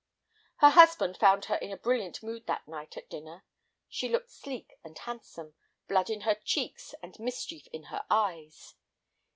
Her husband found her in a brilliant mood that night at dinner. She looked sleek and handsome, blood in her cheeks and mischief in her eyes.